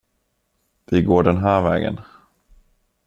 Vi går den här vägen.